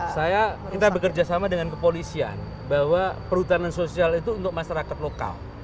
saya kita bekerja sama dengan kepolisian bahwa perhutanan sosial itu untuk masyarakat lokal